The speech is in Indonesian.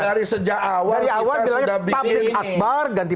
dari awal kita sudah bikin ini